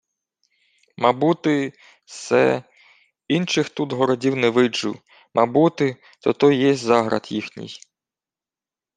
— Мабути, се... Инчих тут городів не виджу. Мабути, тото й єсть Заград їхній.